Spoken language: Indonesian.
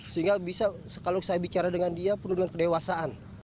sehingga bisa kalau saya bicara dengan dia penuh dengan kedewasaan